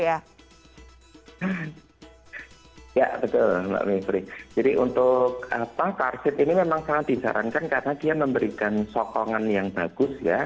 ya betul mbak mepri jadi untuk karsit ini memang sangat disarankan karena dia memberikan sokongan yang bagus ya